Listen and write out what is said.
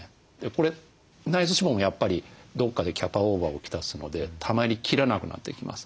これ内臓脂肪もやっぱりどっかでキャパオーバーをきたすのでたまりきらなくなってきます。